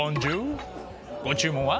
ご注文は？